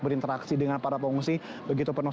berinteraksi dengan para pengungsi begitu penuh